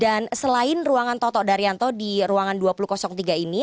dan selain ruangan toto daryanto di ruangan dua ribu tiga ini